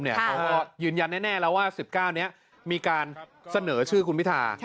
เขายืนยันแน่แล้วว่า๑๙นี้มีการเสนอชื่อคุณพิธา